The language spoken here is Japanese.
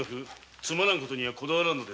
つまらん事にはこだわらず。